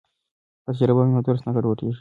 که تجربه وي نو درس نه ګډوډیږي.